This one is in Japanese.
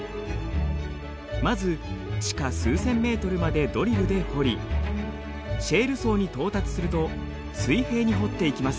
まず地下数千ｍまでドリルで掘りシェール層に到達すると水平に掘っていきます。